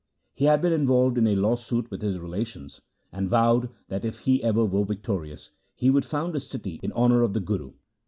He had been involved in a lawsuit with his relations, and vowed that if ever he were victorious, he would found a city in honour of the Guru.